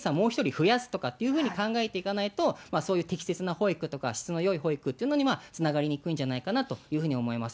増やすとかっていうふうに考えていかないと、そういう適切な保育とか、質のよい保育っていうのにつながりにくいんじゃないかなと思います。